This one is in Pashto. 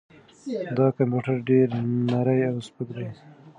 دا کمپیوټر ډېر نری او سپک دی.